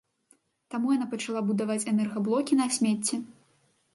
Таму яна пачала будаваць энергаблокі на смецці.